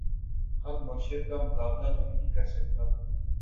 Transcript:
اب مرشد کا مقابلہ تو نہیں کر سکتا